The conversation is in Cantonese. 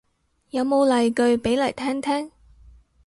有冇例句俾嚟聽聽